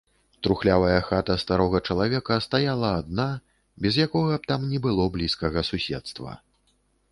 Трухлявая хата старога чалавека стаяла адна, без якога б там ні было блізкага суседства.